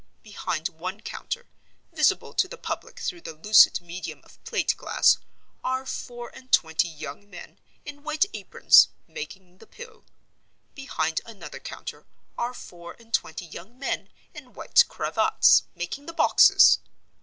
Behind one counter (visible to the public through the lucid medium of plate glass) are four and twenty young men, in white aprons, making the Pill. Behind another counter are four and twenty young men, in white cravats, making the boxes.